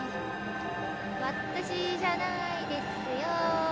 私じゃないですよ。